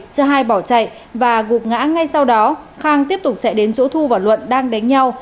giữa hai bỏ chạy và gục ngã ngay sau đó khang tiếp tục chạy đến chỗ thu và luận đang đánh nhau